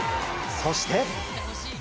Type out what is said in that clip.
そして。